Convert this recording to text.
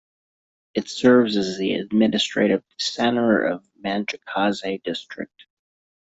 It serves as the administrative center of Manjacaze District.